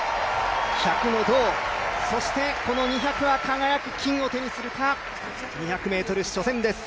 １００の銅、２００は輝く金を手にするか２００ｍ初戦です。